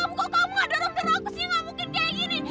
nggak mungkin dia yang ini